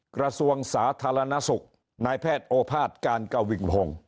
กระทรวงสาธารณสุขนายแพทย์โอภาษย์การกวิงพงศ์